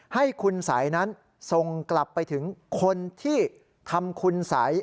ให้คุณสัยนั้นส่งกลับไปถึงคนที่ทำคุณสัย